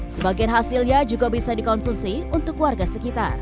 sebagian hasilnya juga bisa dikonsumsi untuk warga sekitar